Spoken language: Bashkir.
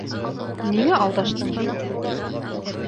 Ниңә алдаштың һин?